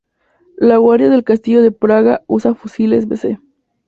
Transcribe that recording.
La Guardia del Castillo de Praga usa fusiles Vz.